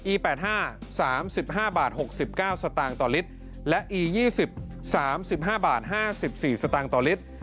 อี๘๕ลิตรละ๓๕บาท๖๙สตางค์ต่อลิตรและอี๒๐ลิตรละ๓๕บาท๕๔สตางค์ต่อลิตร